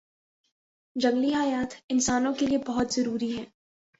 جنگلی حیات انسانوں کے لیئے بہت ضروری ہیں